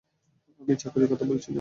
আমি চাকরির কথা বলছি না।